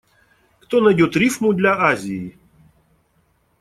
Кто найдёт рифму для «Азии»?